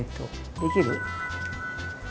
できる？